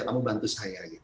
kamu bantu saya